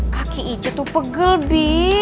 kaki ije tuh pegel bi